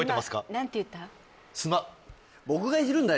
今何て言った？